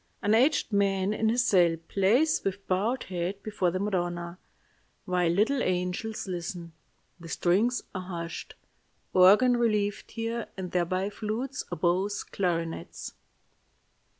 An aged man in his cell plays with bowed head before the Madonna, while little angels listen. The strings are hushed. Organ relieved here and there by flutes, oboes, clarinets.